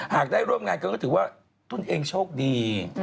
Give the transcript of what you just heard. หากได้ร่วมงานกันก็ถือว่าตัวเองโชคดี